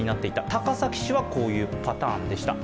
高崎市はこういうパターンでした。